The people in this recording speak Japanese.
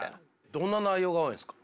どんな内容が多いんですか？